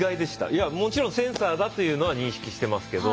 いやもちろんセンサーだというのは認識してますけど。